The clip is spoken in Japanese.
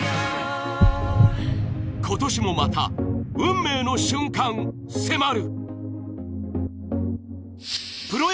今年もまた、運命の瞬間、迫る。